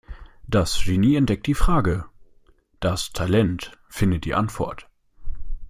Das Genie entdeckt die Frage, das Talent findet die Antwort.